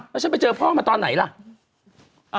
แล้วฉันไปเจอพ่อมาตอนไหนล่ะ